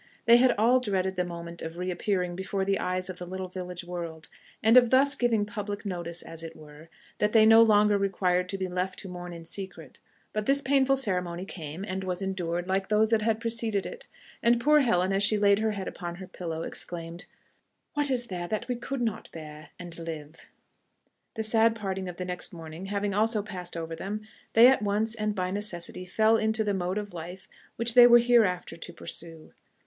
They had all dreaded the moment of reappearing before the eyes of the little village world, and of thus giving public notice, as it were, that they no longer required to be left to mourn in secret: but this painful ceremony came, and was endured, like those that had preceded it; and poor Helen, as she laid her head upon her pillow, exclaimed, "What is there that we could not bear, and live." The sad parting of the next morning having also passed over them, they at once, and by necessity, fell into the mode of life which they were hereafter to pursue.